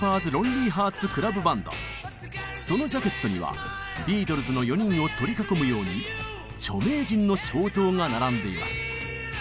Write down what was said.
そのジャケットにはビートルズの４人を取り囲むように著名人の肖像が並んでいます。